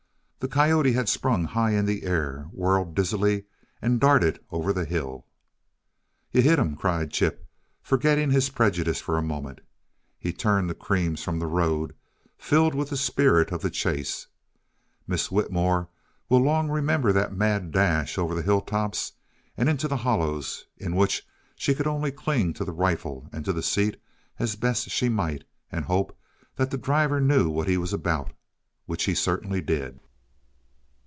The coyote had sprung high in air, whirled dizzily and darted over the hill. "You hit him," cried Chip, forgetting his prejudice for a moment. He turned the creams from the road, filled with the spirit of the chase. Miss Whitmore will long remember that mad dash over the hilltops and into the hollows, in which she could only cling to the rifle and to the seat as best she might, and hope that the driver knew what he was about which he certainly did.